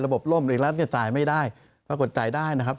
ระบบร่มอีกแล้วนี่จ่ายไม่ได้ปรากฏจ่ายได้นะครับ